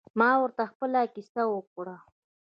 ما ورته خپله کیسه وکړه.